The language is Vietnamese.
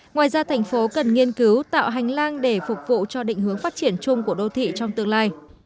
ngoài ra thành phố cần nghiên cứu tạo hành lang để phục vụ cho định hướng phát triển chung của đô thị trong tương lai